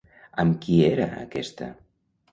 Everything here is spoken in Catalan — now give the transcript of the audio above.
Amb qui era aquesta?